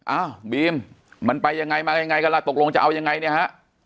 อ้าวบีมมันไปยังไงมายังไงกันล่ะตกลงจะเอายังไงเนี่ยฮะ